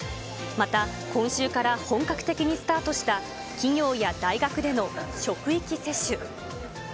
また今週から本格的にスタートした、企業や大学での職域接種。